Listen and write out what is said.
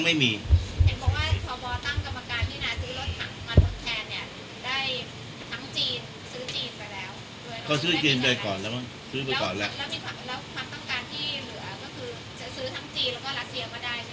การที่เหลือก็คือจะซื้อทั้งจีนแล้วก็รัสเซียมาได้ใช่ไหม